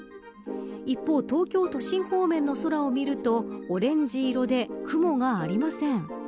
一方、東京都心方面の空を見るとオレンジ色で、雲がありません。